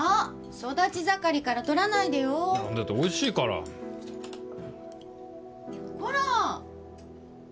育ち盛りから取らないでよだっておいしいからコラ！